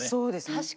確かに。